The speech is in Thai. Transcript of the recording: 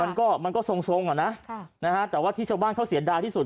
มันก็มันก็ทรงทรงอ่ะนะค่ะนะฮะแต่ว่าที่ชาวบ้านเขาเสียดายที่สุด